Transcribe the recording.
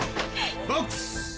ボックス！